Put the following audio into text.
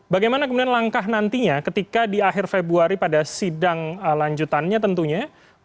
bagaimana kemudian langkah nantinya ketika di akhir februari pada sidang lanjutannya tentunya